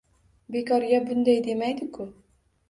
Bekorga bunday demaydi-ku